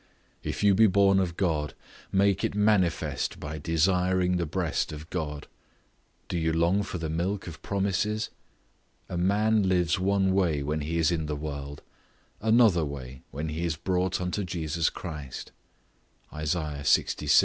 If you be born of God, make it manifest by desiring the breast of God. Do you long for the milk of promises? A man lives one way when he is in the world, another way when he is brought unto Jesus Christ; Isa. lxvi.